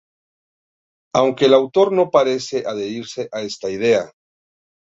Aunque el autor no parece adherirse a esta idea.